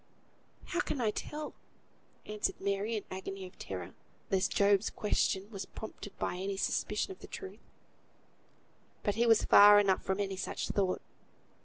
"How can I tell?" answered Mary, in an agony of terror, lest Job's question was prompted by any suspicion of the truth. But he was far enough from any such thought.